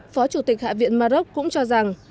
phó chủ tịch hạ viện maroc cũng cho rằng